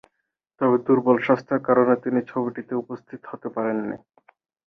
তবে দূর্বল স্বাস্থ্যের কারণে তিনি ছবিটিতে উপস্থিত হতে পারেননি।